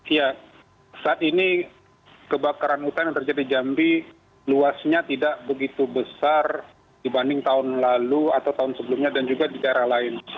iya saat ini kebakaran hutan yang terjadi di jambi luasnya tidak begitu besar dibanding tahun lalu atau tahun sebelumnya dan juga di daerah lain